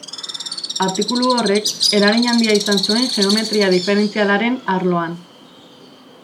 Artikulu horrek eragin handia izan zuen geometria diferentzialaren arloan.